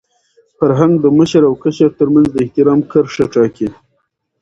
فرهنګ د مشر او کشر تر منځ د احترام کرښه ټاکي.